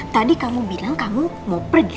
tadi kamu bilang kamu mau pergi